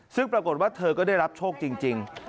ซึ่งปรากฏว่าเธอก็ได้รับโชคจริง